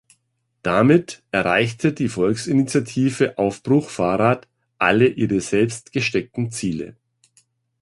Damit erreichte die Volksinitiative Aufbruch Fahrrad alle ihre selbst gesteckten Ziele.